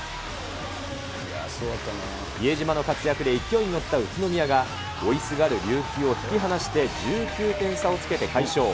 比江島の活躍で勢いに乗った宇都宮が、追いすがる琉球を引き離して１９点差をつけて快勝。